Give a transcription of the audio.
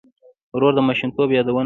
ورور د ماشومتوب یادونه لري.